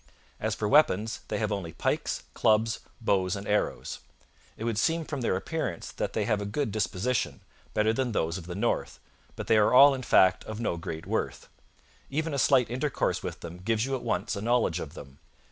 As for weapons, they have only pikes, clubs, bows and arrows. It would seem from their appearance that they have a good disposition, better than those of the north, but they are all in fact of no great worth. Even a slight intercourse with them gives you at once a knowledge of them.